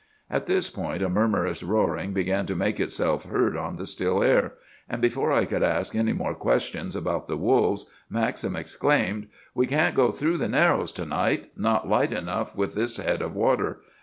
"At this point a murmurous roaring began to make itself heard on the still air; and before I could ask any more questions about the wolves, Maxim exclaimed,— "'We can't go through the "Narrows" to night. Not light enough with this head of water.